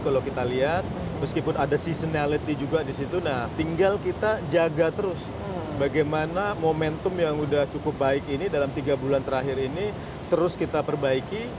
kalau kita lihat meskipun ada seasonality juga disitu tinggal kita jaga terus bagaimana momentum yang sudah cukup baik ini dalam tiga bulan terakhir ini terus kita perbaiki